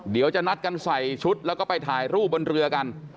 เดี๋ยวจะนัดกันใส่ชุดแล้วก็ไปถ่ายรูปบนเรือกัน